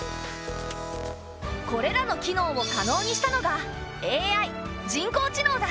これらの機能を可能にしたのがＡＩ人工知能だ。